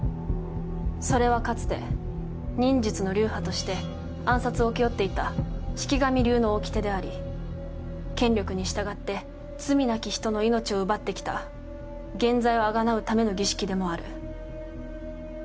それはかつて忍術の流派として暗殺を請け負っていた四鬼神流のおきてであり権力に従って罪なき人の命を奪ってきた原罪をあがなうための儀式でもある。